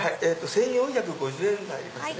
１４５０円になりますね。